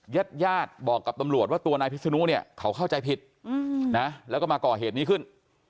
ญาติญาติบอกกับตำรวจว่าตัวนายพิศนุเนี่ยเขาเข้าใจผิดนะแล้วก็มาก่อเหตุนี้ขึ้น